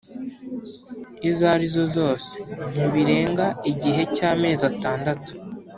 izo arizo zose ntibirenga igihe cy amezi atandatu